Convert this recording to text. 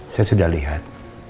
saya sudah lihat